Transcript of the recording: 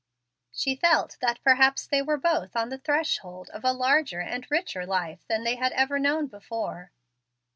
She felt that perhaps they were both on the threshold of a larger and richer life than they had ever known before.